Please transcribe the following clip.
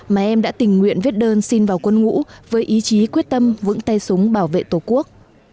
mà em đã tình nguyện viết đơn xin vào quân ngũ với ý chí quyết tâm vững tay súng bảo vệ tổ quốc